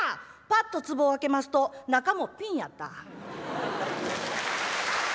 パッと壺を開けますと中もピンやった。